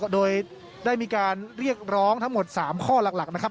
โดยได้มีการเรียกร้องทั้งหมด๓ข้อหลักนะครับ